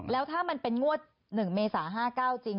แล้วถ้ามันเป็นงวด๑เมษา๕๙จริง